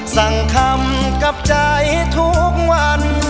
สั่งคำกับใจทุกวัน